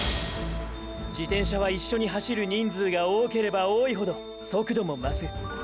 自転車は一緒に走る人数が多ければ多いほど速度も増す。